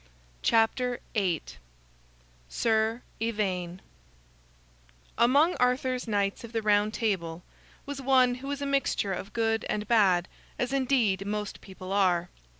SIR IVAINE Among Arthur's Knights of the Round Table was one who was a mixture of good and bad, as indeed most people are.